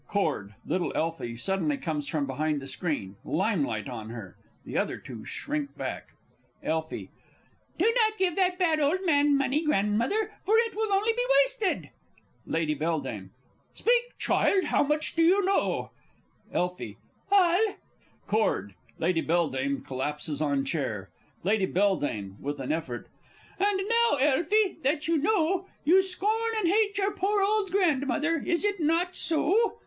[Chord. Little ELFIE suddenly comes from behind screen; limelight on her. The other two shrink back. Elfie. Do not give that bad old man money, Grandmother, for it will only be wasted. Lady B. Speak, child! how much do you know? Elfie. All! [Chord. Lady B. collapses on chair. Lady B. (with an effort). And now, Elfie, that you know, you scorn and hate your poor old Grandmother is it not so?